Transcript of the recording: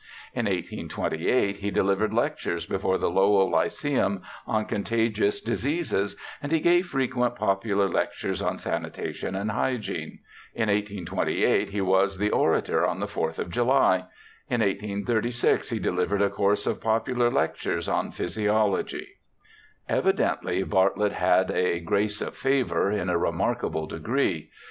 In 1828 he delivered lectures before the Lowell Lyceum on contagious diseases, and he gave frequent popular lectures on sanitation and hygiene. In 1828 he was the orator on the Fourth of July. In 1836 he delivered a course of popular lectures on physiology. Evidently Bartlett had the ' grace of favour ' in a re markable degree.